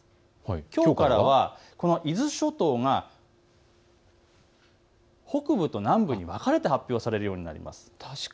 きょうからは伊豆諸島が北部と南部に分かれて発表されるようになります。